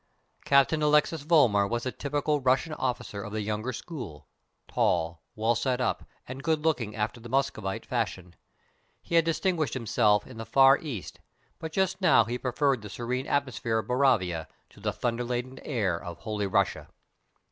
Captain Alexis Vollmar was a typical Russian officer of the younger school, tall, well set up, and good looking after the Muscovite fashion. He had distinguished himself in the Far East, but just now he preferred the serene atmosphere of Boravia to the thunder laden air of Holy Russia.